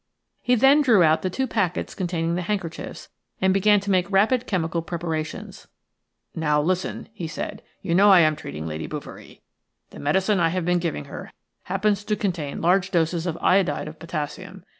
He then drew out the two packets containing the handkerchiefs and began to make rapid chemical preparations. "Now, listen," he said. "You know I am treating Lady Bouverie. The medicine I have been giving her happens to contain large doses of iodide of potassium.